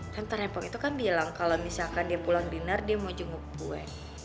kantor repok itu kan bilang kalau misalkan dia pulang dinner dia mau jenguk gue